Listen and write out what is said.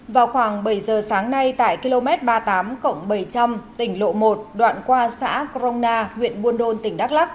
vào khoảng bảy giờ sáng nay tại km ba mươi tám bảy trăm linh tỉnh lộ một đoạn qua xã crona huyện buôn đôn tỉnh đắk lắc